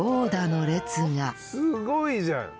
すごいじゃん。